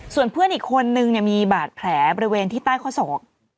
ส่วนเพื่อนอีกคนนึงมีบาดแผลบริเวณที่ใต้ข้อศอก